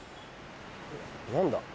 何だ？